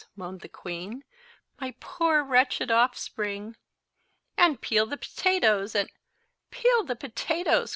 moaned the queen. "My poor wretched offspring!" "And peel the potatoes, and"— "Peel the potatoes!"